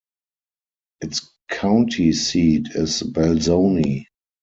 Its county seat is Belzoni.